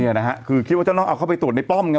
นะฮะคือคิดว่าจะต้องเอาเข้าไปตรวจในป้อมไง